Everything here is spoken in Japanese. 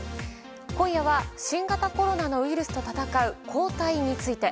今夜は新型コロナのウイルスと闘う抗体について。